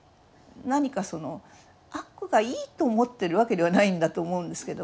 何かその悪がいいと思ってるわけではないんだと思うんですけども。